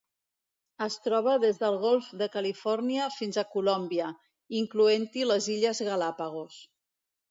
Es troba des del Golf de Califòrnia fins a Colòmbia, incloent-hi les Illes Galápagos.